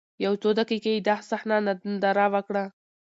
يو څو دقيقې يې دا صحنه ننداره وکړه.